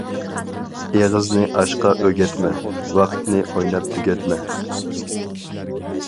ئېغىزنى ئاشقا ئۆگەتمە، ۋاقىتنى ئويناپ تۈگەتمە.